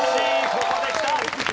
ここできた。